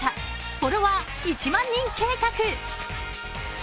フォロワー１００００人計画」。